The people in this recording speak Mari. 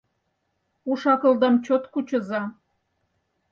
Уш-акылдам чот кучыза!